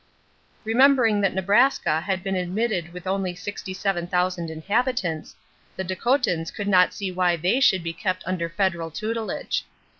Remembering that Nebraska had been admitted with only 67,000 inhabitants, the Dakotans could not see why they should be kept under federal tutelage.